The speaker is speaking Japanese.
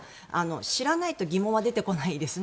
知らないと疑問は出てこないですね。